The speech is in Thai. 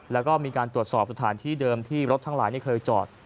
แล้วก็มีการตรวจสอบสถานที่เดิมที่รถทั้งหลายเคยจอด